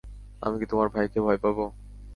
আমি কি তোমার ভাইকে ভয় পাবো?